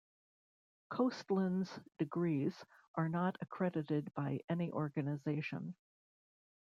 Coastland's degrees are not accredited by any organization.